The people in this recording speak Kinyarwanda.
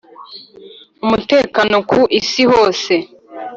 umutekano ku Isi hose